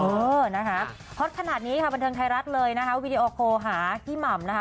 เพราะขนาดนี้บันทึงไทยรัฐเลยวิดีโอโคหาพี่หม่ำ